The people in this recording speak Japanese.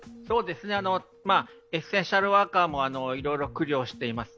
エッセンシャルワーカーもいろいろ苦慮しています。